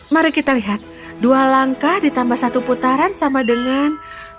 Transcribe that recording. mari kita lihat dua langkah ditambah satu putaran sama dengan